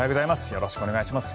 よろしくお願いします。